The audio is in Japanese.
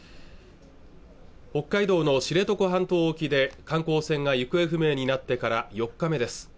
北海道の知床半島沖で観光船が行方不明になってから４日目です